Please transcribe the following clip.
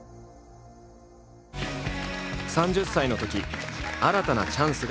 ３０歳のとき新たなチャンスが訪れる。